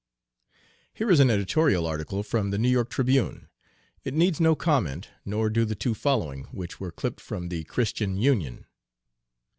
'" Here is an editorial article from the New York Tribune. It needs no comment, nor do the two following, which were clipped from the Christian Union.